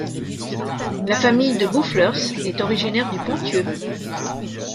La famille de Boufflers est originaire du Ponthieu.